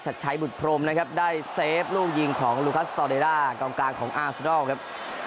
ชัดชัยบุตรพรมนะครับได้เซฟลูกยิงของลูคัสตอเดด้ากองกลางของอาร์สดอลครับ